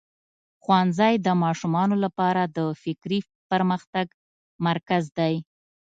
ښوونځی د ماشومانو لپاره د فکري پرمختګ مرکز دی.